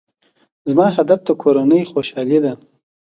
زما هدف د کورنۍ خوشحالي ده.